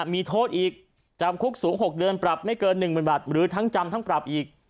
มีโทษอีกจำคุกสูง๖เดือนปรับไม่เกิน๑๐๐๐บาทหรือทั้งจำทั้งปรับอีก